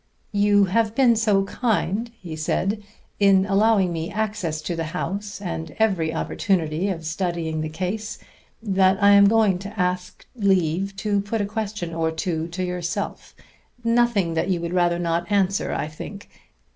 "You have been so kind," he said, "in allowing me access to the house and every opportunity of studying the case, that I am going to ask leave to put a question or two to yourself nothing that you would rather not answer, I think.